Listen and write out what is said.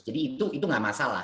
jadi itu itu enggak masalah